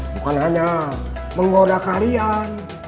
bukan hanya menggoda kalian